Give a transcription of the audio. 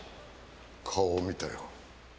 顔を見たよ。